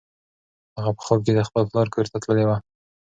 هغه په خوب کې د خپل پلار کور ته تللې وه.